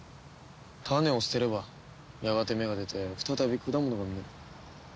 種を捨てればやがて芽が出て再び果物が実る。